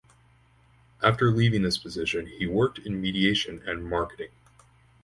After leaving this position, he worked in mediation and marketing.